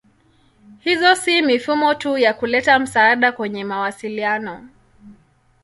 Hizo si mifumo tu ya kuleta msaada kwenye mawasiliano.